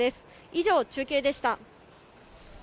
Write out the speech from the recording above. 以上、中継でした。